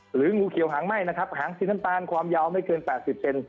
หรืองูเขียวหางไหม้หางสิ้นตาลความยาวไม่เกิน๘๐เซ็นต์